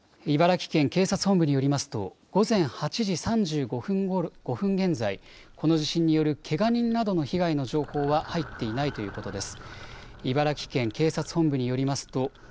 茨城県警察本部によりますと午前８時３５分現在、この地震によるけが人などの被害の情報は入っていないということです。